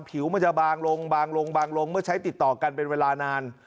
ผิวมันจะบางลงบางลงบางลงเมื่อใช้ติดต่อกันเป็นเวลานาน